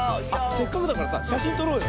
せっかくだからさしゃしんとろうよ。